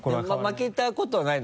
負けたことはないの？